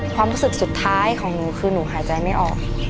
ความรู้สึกสุดท้ายของหนูคือหนูหายใจไม่ออก